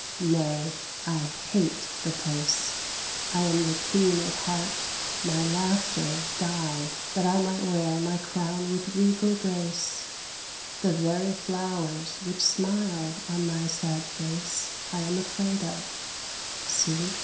Nay I hate the place. I am no queen at heart my laughter died That I might wear my crown with regal grace The very flowers which smile on my sad face I am afraid of. See!